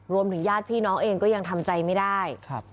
ญาติพี่น้องเองก็ยังทำใจไม่ได้